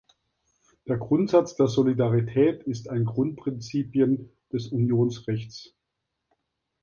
Der Grundsatz der Solidarität ist ein Grundprinzipien des Unionsrechts.